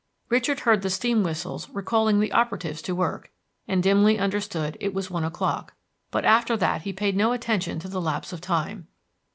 Richard heard the steam whistles recalling the operatives to work, and dimly understood it was one o'clock; but after that he paid no attention to the lapse of time.